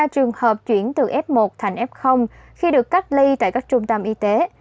ba trường hợp chuyển từ f một thành f khi được cách ly tại các trung tâm y tế